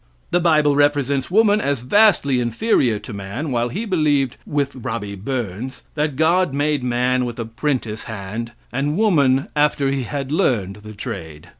The bible represents woman as vastly inferior to man, while he believed, with Robbie Burns, that God made man with a prentice hand, and woman after He had learned the trade.